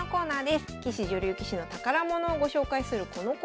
棋士女流棋士の宝物をご紹介するこのコーナー。